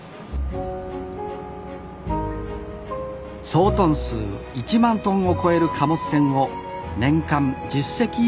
総トン数１万トンを超える貨物船を年間１０隻以上造っています